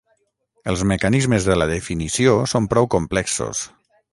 Els mecanismes de la definició són prou complexos.